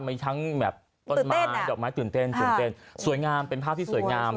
มีทั้งต้นไม้ดอกไม้ตื่นเต้นสวยงามเป็นภาพที่สวยงาม